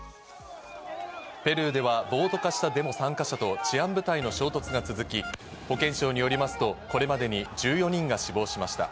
ペルーでは暴徒化したデモ参加者と治安部隊の衝突が続き、保健省によりますと、これまでに１４人が死亡しました。